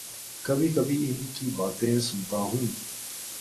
کبھی کبھی ان کی باتیں سنتا ہوں۔